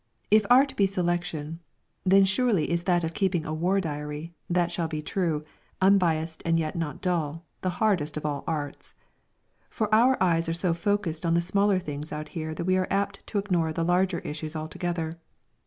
_ If Art be Selection, then surely is that of keeping a War Diary, that shall be true, unbiased and yet not dull, the hardest of all Arts! For our eyes are so focused on the smaller things out here that we are apt to ignore the larger issues altogether.